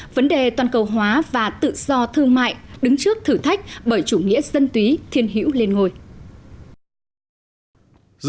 vấn đề toàn cầu hóa và tự do thương mại đứng trước thử thách bởi chủ nghĩa dân túy thiên hữu lên ngôi